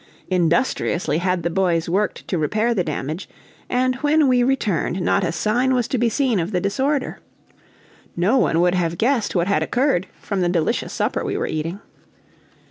Industriously had the boys worked to repair the damage, and when we returned not a sign was to be seen of the disorder. No one would have guessed what had occurred from the delicious supper we were eating.